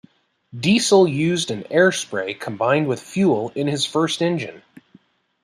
Diesel used an air spray combined with fuel in his first engine.